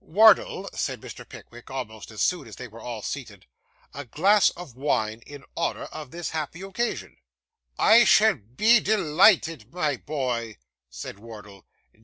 'Wardle,' said Mr. Pickwick, almost as soon as they were all seated, 'a glass of wine in honour of this happy occasion!' 'I shall be delighted, my boy,' said Wardle.